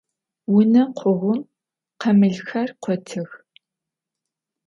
Vune khoğum khamılxer khotıx.